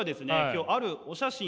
今日あるお写真